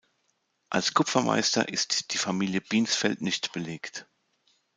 Als Kupfermeister ist die Familie Binsfeld nicht belegt.